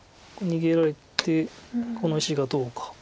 逃げられてこの石がどうか。